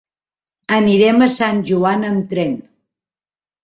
Anirem a Sant Joan amb tren.